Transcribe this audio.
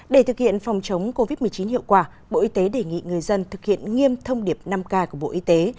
để thực hiện phòng chống covid một mươi chín hiệu quả bộ y tế đề nghị người dân thực hiện nghiêm thông điệp năm k của bộ y tế